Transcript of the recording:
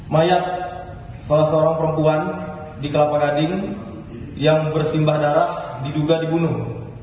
mayat salah seorang perempuan di kelapa gading yang bersimbah darah diduga dibunuh